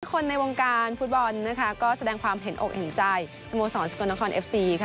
คนในวงการฟุตบอลนะคะก็แสดงความเห็นอกเห็นใจสโมสรสกลนครเอฟซีค่ะ